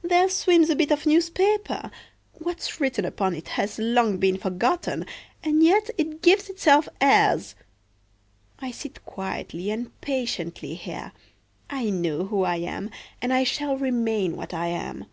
There swims a bit of newspaper. What's written upon it has long been forgotten, and yet it gives itself airs. I sit quietly and patiently here. I know who I am, and I shall remain what I am."